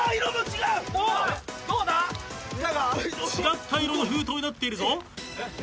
違った色の封筒になっているぞ。